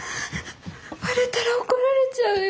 割れたら怒られちゃうよ。